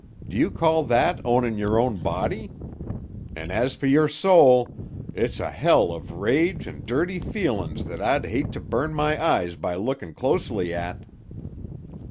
Do you call that ownin' your own body? And as fer your soul, it's a hell of rage and dirty feelin's that I'd hate to burn my eyes by lookin' closely at."